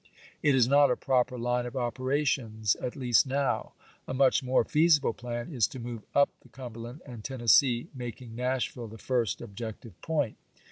It is not a proper line of opera tions, at least now. A much more feasible plan is to move up the Cumberland and Tennessee, mak ing Nashville the first objective point.